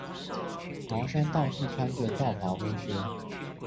茅山道士穿著道袍烏靴